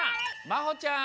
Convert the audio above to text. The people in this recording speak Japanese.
まほちゃん。